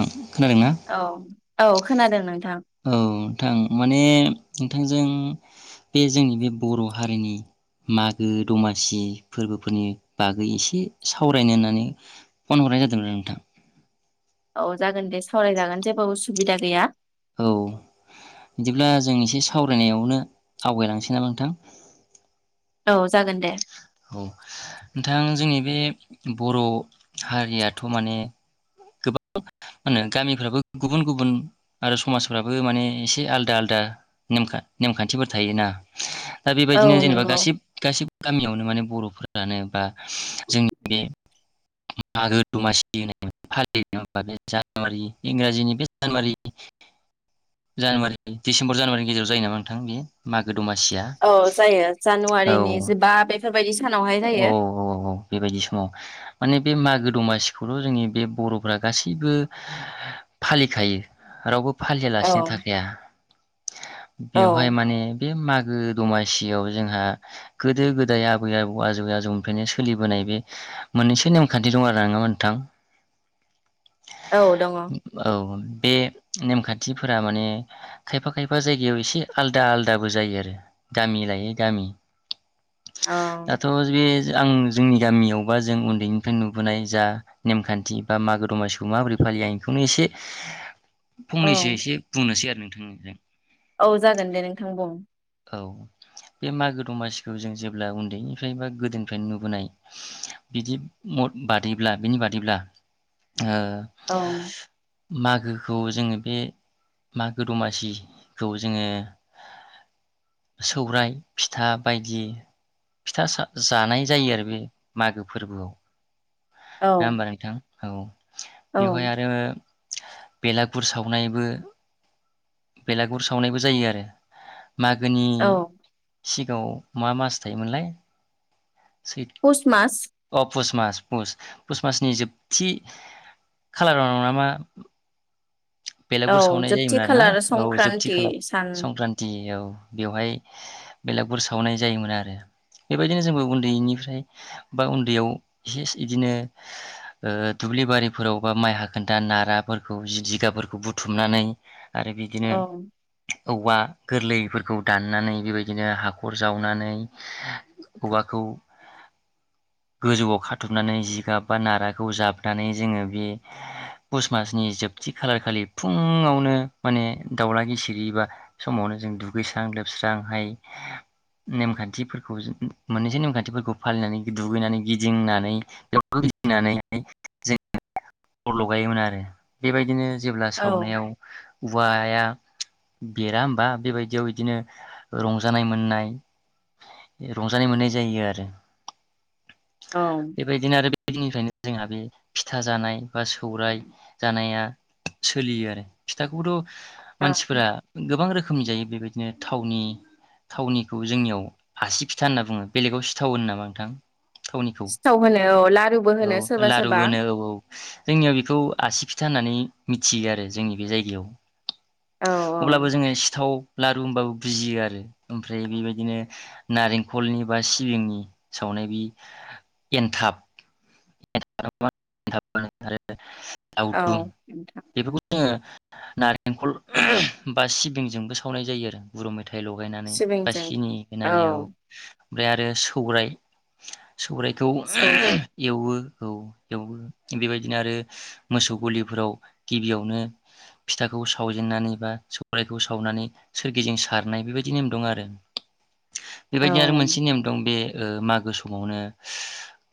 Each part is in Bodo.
औ खोनादोंना? औ औ खोनादों नोंथां औ नोंथां माने नोंथांजों बे जोंनि बे बर' हारिनि मागो दमासि फोरबोफोरनि बागै एसे सावरायनो होननानै फन हरनाय जादोंमोन आरो नोंथां। औ जागोन दे सावरायजागोन जेबो उसुबिदा गैया औ बिदिब्ला जों एसे सावरायनायावनो आवगायलांसै नामा नोंथां। औ जागोन दे औ नोंथां जोंनि बे बर' हारियाथ' माने गोबां मा होनो गामिफ्राबो गुबुन गुबुन आरो समाजफ्राबो माने एसे आलदा आलदा ने नेमखान्थिफोर थायोना। दा औ बेबायदिनो जेनेबा नंगौ गासि गासिब गामियावनो माने बर'फोरानो बा जोंनि बे मागो दमासि होन फालियो नंङा होमबा। बे जानुवारि इंराजिनि बे जानुवारि जानुवारि डिसेम्बर जानुवारिनि गेजेराव जायो नामा नोंथां? बे मागो दमासिया औ जायो औ जानुवारिनि जिबा बे बेफोरबायदि सानावहाय औ जायो औ औ बेबायदि समाव माने बे मागो दमासिखौल' जोंनि बे बर'फ्रा गासैबो फालिखायो रावबो औ फालियालासिनो थाखाया औ बेवहाय माने बे मागो दमासियाव जोंहा गोदो गोदाय आबै आबौ आजौ आजौनिफ्रायनो सोलिबोनाय बे मोननैसो नेमखान्थि दं आरो नङा नोंथां। औ दङ औ बे नेमखान्थिफोरा माने खायफा खायफा जायगायाव एसे आलादा आलदाबो जायो आरो गामि लायै गामि दाथ' बे आं जोंनि गामियावबा जों उन्दैनिफ्राय नुबोनाय जा नेमखान्थि बा मागो दमासिखौ माबोरै फालियो आं बेखौनो एसे औ फंनैसो एसे बुंनोसै आरो जों औ जागोन दे नोंथां बुं औ बे मागो दमासिखौ जों जेब्ला उन्दैनिफ्राय बा गोदोनिफ्रायनो नुबोनाय बिदि मद बादैब्ला बिनि बादैब्ला औ [inaudible] मागोखौ जोंङो बे मागो दमासिखौ जोंङो सौराय फिथा बायदि फिथा जानाय जायो आरो बे मागो फोरबोआव औ शोना होमबा नोंथां [unintelligible] औ औ बेवहाय आरो बेलागुर सावनायबो बेलागुर सावनायबो जायो आरो। मागोनि। औ सिगाङाव मा मास थायोमोनलाय? सैथ पुस मास। अ पुस मास पुस पुस मासनि जोबथि खालाराव नामा? औ बेलागुर सावनाय जोबथि जायोमोन आरो ना खालार औ जोबथि संक्रान्ति खालाव सान संक्रान्ति औ। बेवहाय बेलागुर सावनाय जायोमोन आरो बेबायदिनो जोंबो उन्दैनिफ्राय बा उन्दैयाव [inaudible] बिदिनो ओ दुब्लि बारिफोराव बा माइ हाखोनदा नाराफोरखौ जिगाबफोर बुथुमनानै। आरो बिदिनो। औ औवा गोरलैफोरखौ दाननानै बेबायदिनो हाखर जावनानै औवाखौ गोजौआव खाथबनानै जिगाब बा नाराखौ जाबनानै जोङो बे पुस मासनि जोबथि खालारखालि। फुङावनो माने दाउला गिसेरै बा समावनो जों दुगैस्रां लोबस्रांहाय नेमखान्थिफोरखौ जों माने जे नियम खान्थिफोरखौ फालिनानै दुगैनानै गिदिंनानै [inaudible] गिदिंनानैहाय जों अर लगायोमोन आरो बेबायदिनो जों औ सावनायाव औवाया बेरा होनबा बेबायदियाव बिदिनो रंजानाय मोननाय रंजानाय मोननाय जायो आरो। औ बेबायदिनो आरो बे दिन निफ्रायनो। जोंहा बे फिथा जानाय बा सौराइ जानाया। सोलियो आरो फिथाखौबोथ' मानसिफोरा गोबां रोखोमनि जायो बेबाय दिनो थावनि थावनिखौ जोंनियाव आसि फिथा होनना बुङो बेलेगाव सिथाव होनो नामा नोंथां? थावनिखौ सिथाव होनो औ लारुबो औ होनो सोरबा लारुबो सोरबा होनो औ औ जोंनियाव बेखौ आसि फि था होननानै मिथियो आरो जोंनि बे जायगायाव। औ औ अब्लाबो जोङो सिथाव लारु होनबाबो बुजियो आरो ओमफ्राय बेबायदिनो नारेंखलनि बा सिबिंनि सावनाय बे एन्थाब। [unintelligible] औ नोंथां। बेफोरखौ जोङो नारेंखल बा सिबिंजोंबो सावनाय जायो आरो गुर मे थाय लगायनानै बा सिबिंजों सिनि होनानै औ। ओमफ्राय आरो सौराइ। सौराइखौ। सौराय खौबो औ एवो बेबायदिनो आरो मोसौ गलिफोराव गिबियावनो फिथाखौ सावजेननानै बा सौराइखौ सावनानै सोरगिदिं सारनाय बेबायदि नेम दं आरो। औ बेबायदिनो आरो मोनसे नियम दं बे ओ मागो समावनो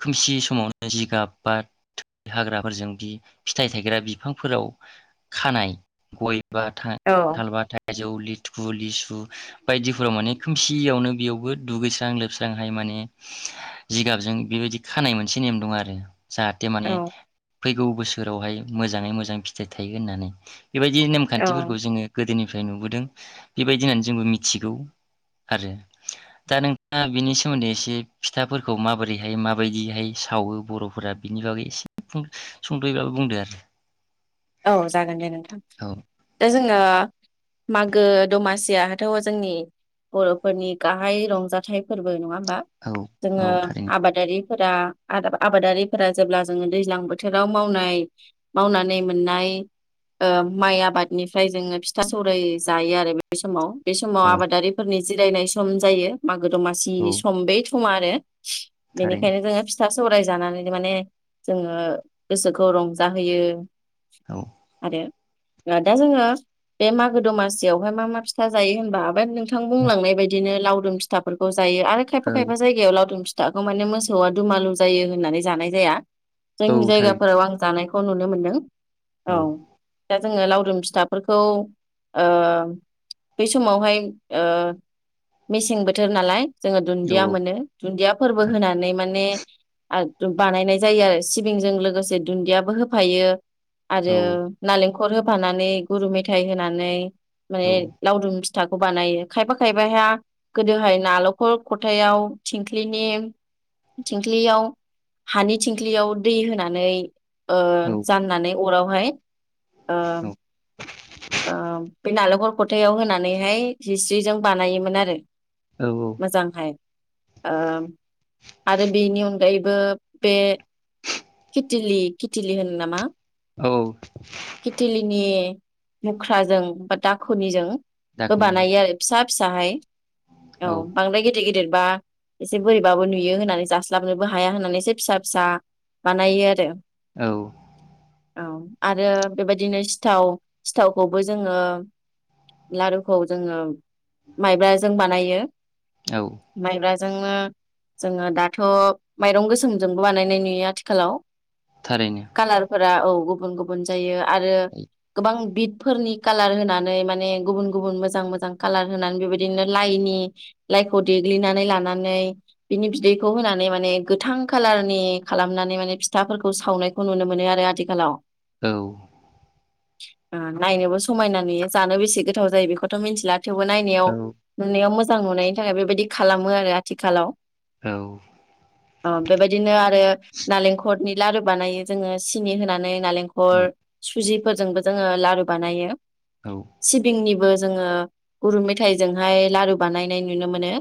खोमसि स मावनो जिगाब बा थै हाग्राफोरजों बि फिथाइ थायग्रा बिफांफोराव खानाय औ गय [unintelligible] थाइजौ लिथु लिसु बायदिफोराव माने खोमसियावनो बेयावबो दुगैस्रां लोबस्रांहाय माने जिगाबजों बेबायदि खानाय मोन एसे नेम दं आरो जाहाथे माने औ फैगौ बोसोरावहाय मोजाङै मोजां फिथाइ थायो होननानै बेबायदि औ नेमखान्थिफोरखौ जोङो गोदोनि फ्राय नुबोदों बेबायदि होननानै जोंबो मिथिगौ आरो दा नोंथाङा बेनि सोमोन्दै एसे फिथाफोरखौ माबोरैहाय माबायदिहाय सावो बर'फोरा बिनि बागै एसे सुंद'यैबाबो बुंदो आरो औ जागोन दे नोंथां दा जों दा मागो दमासियाथ' जोंनि बर'फोरनि गाहाय रंजाथाइ फोरबो नङा बा औ जोङो औ थारैनो आबादारि आबादारिफोरा जेब्ला जों दैज्लां बोथोराव मावनाय मावनानै मोननाय ओ माइ आबादनिफ्राय जोङो फिथा सौराइ जायो आरो बे समाव बे समाव औ आबादारिफोरनि जिरायनाय सम जायो मा गो दमासि औ सम बे सुमार आरो थारैनो बेनिखायनो जोङो फिथा सावराय जानानै माने जोङो गोसोखौ रंजाहोयो। औ आरो दा जोङो बे मागो दमासियावहाय मा मा फिथा जायो होनबा नों थां बुंलांनाय बायदिनो लाव फिथाफोरखौ जायो आरो खायफा औ खायफा जायगायाव लावदुम फिथा फिथाखौ माने मोसौआ दुमालु जायो होननानै जानाय जाया। औ जोंनि थारैनो जायगाफोराव आं जानाय खौ नुनो मोन्दों। औ दा जोङो लावदुम फिथाफोरखौ ओ बै समावहाय ओ मेसें बोथोर नालाय जोङो औ दुन्दिया मोनो दुन्दिया फोरबो होनानै माने आरो बानायनाय जायो आरो सिबिंजों लोगोसे दुन्दियाबो होफायो। औ आरो नालेंखल हखर होफानानै गुरु मेथाइ होनानै माने औ लावदुम फिथाखौ बानायो खायफा खायबाया गोदोहाय नालखर खथायाव थंख्लिनि थिंख्लियाव हानि थिंख्लियाव दै होनानै ओ नानै अरावहाय ओ औ ओम बे नारेंखल खथायाव होनानैहाय हिस्रिजों बानायोमोन आरो औ मोजांहाय ओ आरो बेनि अन गायैबो बे खिथिलि खिथिलि होनो नामा? औ खिथिलिनि मुख्राजों बा दाखनिजों बो दाखोनिजों बानायो आरो फिसा फिसाहाय औ बांद्राय गिदिर गिद दिरबा एसे बोरैबाबो नुयो होननानै जास्लाबनोबो हाया होननानै एसे फिसा फिसा बानायो आरो। औ। औ आरो बेबायदिनो सिथाव सिथावखौबो जोङो लारुखौ जोङो माइब्राजों बानायो। औ माइब्रा जोंनो जोङो दाथ माइरं गोसोमजोंबो बानायनाय नुयो आथिखालाव। थारैनो कालारफोरा औ गुबुन गुबुन जायो आरो गोबां बिद फोरनि कालार होनानै माने गुबुन गुबुन मोजां मोजां कालार होनानै बेबायदिनो लाइनि लाइखौ देग्लिनानै लानानै बिनि बिदैखौ होनानै माने गोथां कालारनि खालामनानै माने फिथाफोरखौ सावनाय खौ नुनो मोनो आरो आथिखालाव। औ। ओ नायनोबो समायना नुयो जानोबो बेसे गोथाव जायो बेखौथ मिथिला थेवबो नायाव औ नुनायाव मो जां नुनायनि थाखाय बेबायदि खालामो आरो आथिखालाव। अ, बेबायदिनो आरो नालेंखर नि लारु बानायो, जोङो सिनि होनानै नालेंखर सुजि फोरजोंबो जोङो लारु बानायो। औ सिबिंनिबो जोङो गुरु मेथाइजोंहाय लारु बानायनाय नुनो मोनो।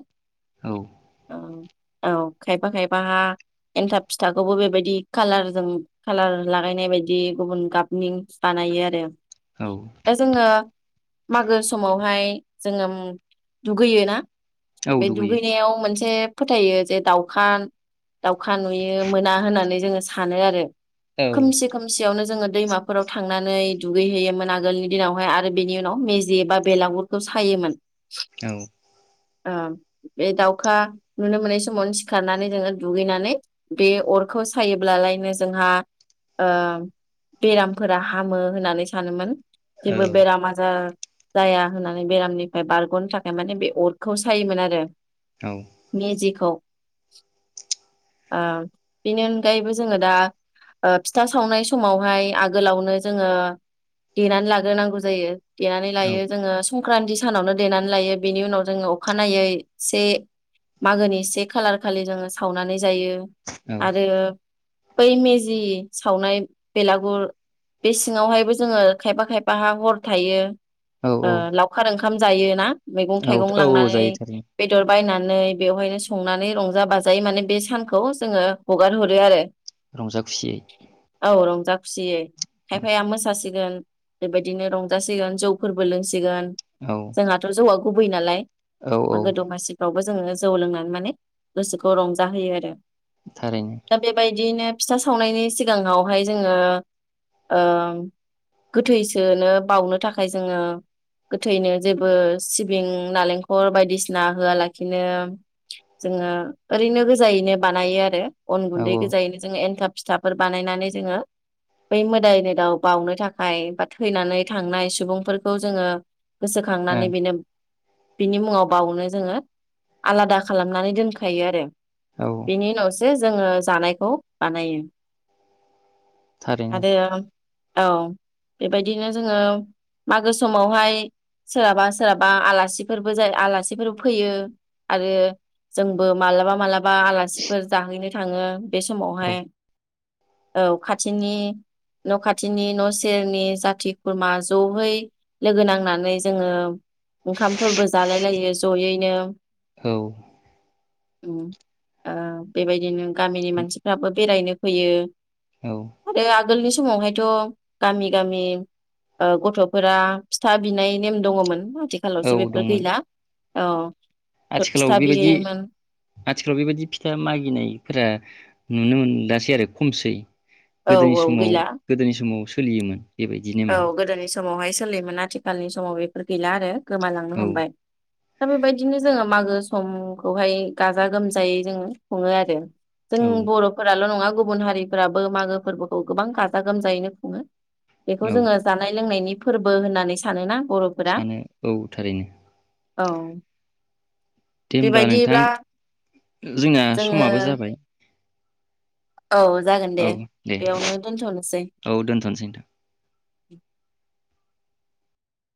औ औ। औ खायफा खायबाहा एन्थाब फिथाखौबो बेबायदि खाालारजों कालार लागायनाय बायदि गुबुन गाबनि बानायो आरो। औ ओ जोङो मागो समावहाय जोङो उम दुगैयोना? औ बे दुगैयो दुगैनायाव मोनसे फोथायो जे दाउखा दाउखा नुयो मोना होननानै जोङो सानो आरो। औ खोमसि खोमसियावनो जोङो दैमाफोराव थांनानै दुगैहैयोमोन आगोलनि दिनावहाय आरो बेनि उनाव मेजे एबा बेलागुरखौ सायोमोन। औ। ओ बे दाउखा नुनो मोननाय समावनो सिखारनानै जोङो दुगैनानै बे अरखौ सायोब्लालायनो जोंहा ओ बेरामफोरा हामो होननानै सानोमोन। औ जेबो औ बेराम आजार जाया होननानै बेरामनिफ्राय बारग'नो थाखाय माने बे अरखौ सायोमोन आरो। मेजिखौ। ओ बेनि अनगायैबो जोङो दा ओ फिथा सावनाय समावहाय आगोलावनो जोङो देनानै लाग्रोनांगौ जायो। देनानै लायो जोङो। संक्रान्ति सानावनो देनानै लायो बेनि उनाव जोङो अखानायै से मागोनि से खालार खालि जोङो सावनानै जायो औ आरो बै मेजि सावनाय बेलागुर बे सिङावहायबो जोङो खायफा खायफाहा हर थायो। औ ओ औ लावखार ओंखा खाम जायो ना? मैगं औ थाइगं औ लांनानै जायो थारैनो बेदर बायनानै नै बेवहायनो संनानै रंजा बाजायै माने बे सानखौ जोङो हगार हरो आरो। रंजा खुसियै। औ रंजा खुसियै। औ खायफाया मोसासि गोन बे बायदिनो रंजासिगोन जौफोरबो लोंसि गोन औ जोंहाथ' जौआ गुबै नालाय। औ औ मागो दमासिफ्रावबो जोङो जौ लोंनानै माने गोसोखौ रंजा होयो आरो। थारैनो दा बेबायदियैनो [inaudible] सावनायनि सिगाङावहाय जोङो ओं गोथैसोनो बाउनो थाखाय जोङो गोथैनो जेबो सिबिं नालेंखर बायदिसिना होआलाखिनो जोङो ओरैनो गोजायैनो बानायो आरो। अन औ गुन्दै गोजायैनो जोङो एन्थाब फिथाफोर बानायनानै जोङो बै मोदायनोदाव बावनो थाखाय बा थैनानै थांनाय सुबुंफोरखौ जोङो - औ गोसोखांनानै बेनो बिनि मुङाव बावनो जोङो आलादा खालामनानै दोनखायो आरो। औ बिनि उनावसो जोङो जानायखौ बानायो। थारैनो आरो औ बेबायदिनो जोङो मागो समावहाय सोरहाबा सोरहाबा आलासिफोरबो जायो आलासिफोर फैयो आरो जोंबो मालाबा मालाबा बा आलासिफोर जाहैनो था थाङो बे समावहाय औ औ खाथिनि न' खाथिनि न' सेरनि जाथि खुरमा जयै लोगो नांनानै जोङो ओंखामफोरबो जालायलायो जयैनो। औ ओ बेबायदिनो गामिनि मानसिफ्राबो बेरायनो होयो। औ ओ आगोलनि समावहायथ' गामि गामि ओ गथ'फोरा फिथा बिनाय नेम दङमोन। आथिखालावसो औ बेफोर दंमोन गैला। औ आथिखालाव फिथा बेबायदि बिहैयोमोन आथिखालाव बेबायदि फिथा मागिनायफोरा नुनो मोनलासै आरो खमसै। औ गोदोनि औ समाव गैला गोदोनि समाव सोलियोमोन बेबायदि औ नेमा गोदोनि समावहाय सोलियोमोन आथिखालनि समाव बेफोर गैला आरो गोमालांनो औ हमबाय। दा बेबायदिनो जोङो मागो समखौहाय गाजा गोमजायै जोङो खुङो आरो। जों औ बर'फोराल' नङा गुबुन हारिफ्राबो मागो फोरबोखौ गोबां गाजा गोमजायैनो खुङो। बेखौ औ जोङो जानाय लोंनायनि फोरबो होननानै सानोना? बर'फोरा सानो औ थारैनो। औ। दे होनब्ला नोंथां बेबायदिब्ला जोंना जोङो समाबो जाबाय। औ जागोन दे औ दे बेयावनो दोनथनोसै। औ दोनथ'नोसै